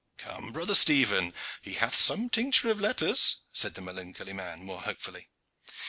"Come, brother Stephen, he hath some tincture of letters," said the melancholy man more hopefully.